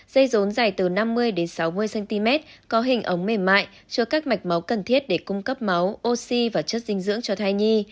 dây rốn dài từ năm mươi sáu mươi cm có hình ống mềm mại chứa các mạch máu cần thiết để cung cấp máu oxy và chất dinh dưỡng cho thai nhi